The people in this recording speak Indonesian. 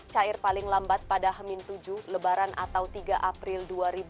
cair paling lambat pada hamin tujuh lebaran atau tiga april dua ribu dua puluh